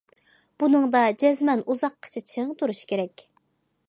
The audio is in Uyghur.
بۇنىڭدا جەزمەن ئۇزاققىچە چىڭ تۇرۇش كېرەك.